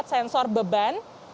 terdapat sensor beban